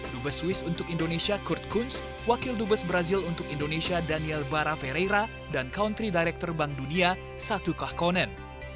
dubes swiss untuk indonesia kurt kunz wakil dubes brazil untuk indonesia daniel barra ferreira dan country director bank dunia satu kahkonen